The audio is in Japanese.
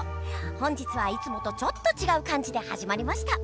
本日はいつもとちょっと違う感じで始まりました。